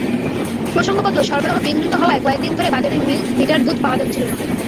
প্রসঙ্গত, সরবরাহ বিঘ্নিত হওয়ায় কয়েকদিন ধরে বাজারে মিল্প ভিটার দুধ পাওয়া যাচ্ছিল না।